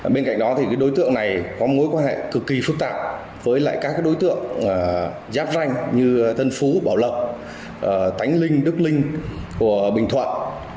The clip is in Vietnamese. bên cạnh đó thì đối tượng này có mối quan hệ cực kỳ phức tạp với các đối tượng giáp ranh như tân phú bảo lộc tánh linh đức linh của bình thuận